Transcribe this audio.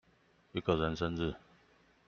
一個人生日